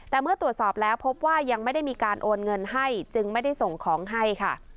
แต่เมื่อตรวจสอบแล้วพบว่ายังไม่ได้มีการโอนเงินให้จึงไม่ได้ส่งของให้ค่ะ